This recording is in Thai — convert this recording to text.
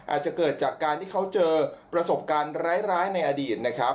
อาจจะเกิดจากการที่เขาเจอประสบการณ์ร้ายในอดีตนะครับ